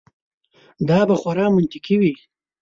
دا به خورا منطقي وي.